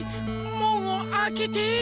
もんをあけて！